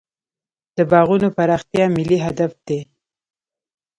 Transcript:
د باغونو پراختیا ملي هدف دی.